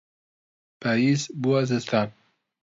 پاییز بووە زستان.